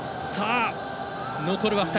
残るは２人。